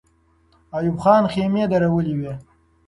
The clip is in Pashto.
ایوب خان خېمې درولې وې.